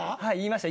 はい。